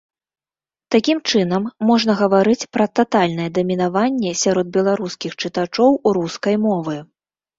Такім чынам, можна гаварыць пра татальнае дамінаванне сярод беларускіх чытачоў рускай мовы.